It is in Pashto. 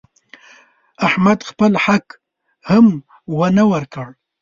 احمد خپل حق هم ونه ورکړ.